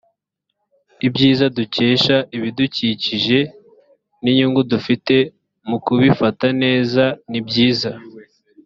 ibyiza dukesha ibidukikije n’inyungu dufite mu kubifata neza ni byiza